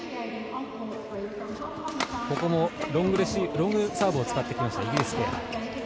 ロングサーブを使ってきましたイギリスペア。